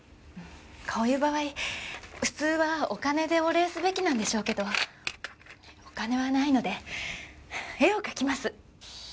こういう場合普通はお金でお礼すべきなんでしょうけどお金はないので絵を描きます。